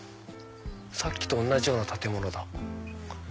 さっきと同じような建物だ。